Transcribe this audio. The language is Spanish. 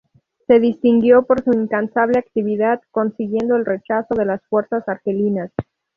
Se distinguió por su incansable actividad, consiguiendo el rechazo de las fuerzas argelinas.